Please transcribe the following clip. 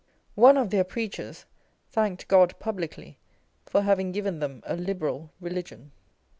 One of their preachers thanked God publicly for having given them a liberal religion.